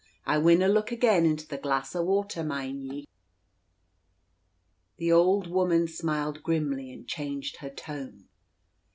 "I winna look again into the glass o' water, mind ye." The old woman smiled grimly, and changed her tone.